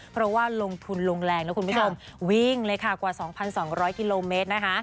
เพราะว่าลงทุนลงแรงนะคุณผู้ชมวิ่งเลยค่ะกว่า๒๒๐๐กิโลเมตรนะคะ